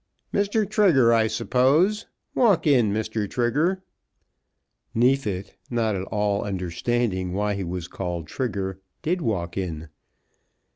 "Mr. Trigger, I suppose; walk in, Mr. Trigger." Neefit, not at all understanding why he was called Trigger, did walk in.